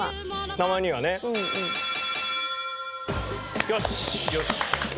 たまにはね。よし！